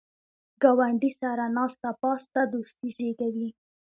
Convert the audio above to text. ګاونډي سره ناسته پاسته دوستي زیږوي